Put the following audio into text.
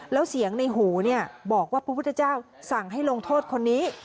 แล้วเสียงในหูบอกว่าพระพุทธเจ้าสั่งให้ลงโทษคนนี้